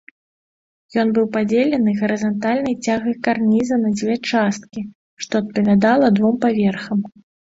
Ён быў падзелены гарызантальнай цягай карніза на дзве часткі, што адпавядала двум паверхам.